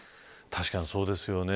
確かにそうですよね。